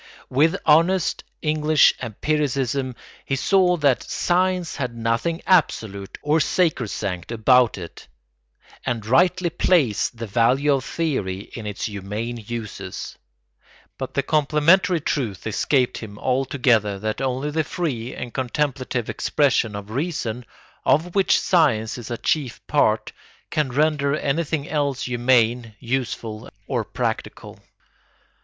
With honest English empiricism he saw that science had nothing absolute or sacrosanct about it, and rightly placed the value of theory in its humane uses; but the complementary truth escaped him altogether that only the free and contemplative expression of reason, of which science is a chief part, can render anything else humane, useful, or practical.